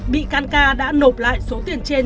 bị can ca đã nộp lại số tiền trên